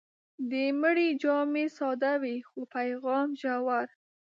د مړي جامې ساده وي، خو پیغام ژور.